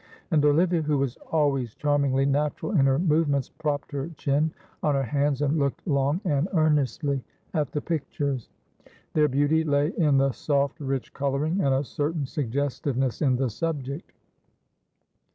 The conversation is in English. And Olivia, who was always charmingly natural in her movements, propped her chin on her hands, and looked long and earnestly at the pictures. Their beauty lay in the soft rich colouring and a certain suggestiveness in the subject.